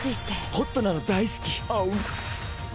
ホットなの大好き。